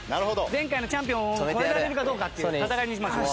前回のチャンピオンを超えられるかどうかっていう戦いにしましょう。